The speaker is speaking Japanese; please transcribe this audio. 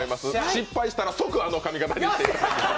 失敗したら即あの髪形にしていただきます。